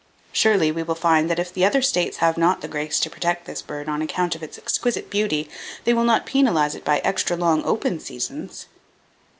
Surely we will find that if the other states have not the grace to protect this bird on account of its exquisite beauty they will not penalize it by extra long open seasons.